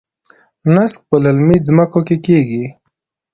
نسک په للمي ځمکو کې کیږي.